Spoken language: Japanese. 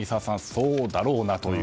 そうだろうなという。